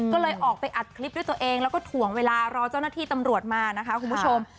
ก็เลยออกไปอัดคลิปด้วยตัวเองแล้วก็ถ่วงเวลารอเจ้าหน้าที่ตำรวจมานะคะคุณผู้ชม